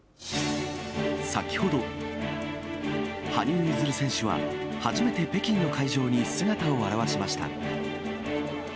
先ほど、羽生結弦選手は、初めて北京の会場に姿を現しました。